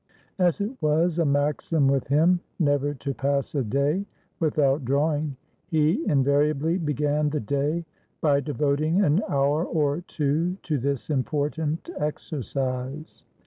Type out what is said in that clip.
As it was a maxim with him "never to pass a day without draw ing," he invariably began the day by devoting an hour or two to this important exercise.